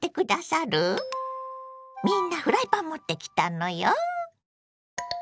みんなフライパン持ってきたのよ。